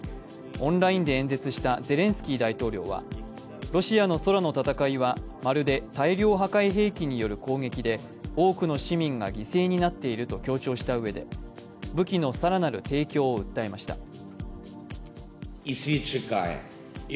オンラインで演説したゼレンスキー大統領はロシアの空の戦いはまるで大量破壊兵器による攻撃で多くの市民が犠牲になっていると強調したうえで武器の更なる提供を訴えました。